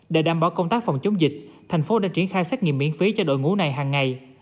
để đảm bảo công tác phòng chống dịch thành phố đã triển khai xét nghiệm miễn phí cho đội ngũ này hàng ngày